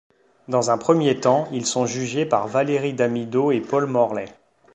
Dans un premier temps, ils sont jugés par Valérie Damidot et Paul Morlet.